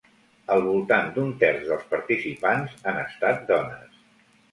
Al voltant d'un terç dels participants han estat dones.